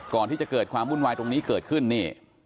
ก่อนที่จะเกิดความวุ่นวายตรงนี้เกิดขึ้นนี่